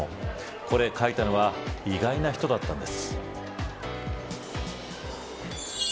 これ、描いたのは意外な人だったんです。